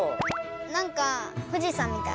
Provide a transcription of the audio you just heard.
なんか富士山みたい。